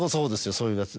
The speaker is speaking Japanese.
そういうやつ。